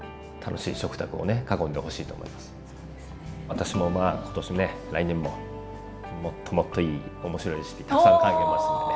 私もまあ今年来年ももっともっといい面白いレシピたくさん考えますんでね。